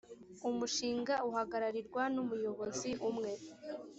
umushinga uhagararirwa numuyobozi umwe.